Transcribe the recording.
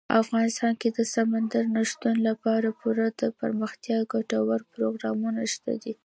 افغانستان کې د سمندر نه شتون لپاره پوره دپرمختیا ګټور پروګرامونه شته دي.